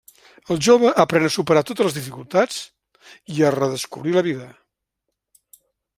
El jove aprèn a superar totes les dificultats i a redescobrir la vida.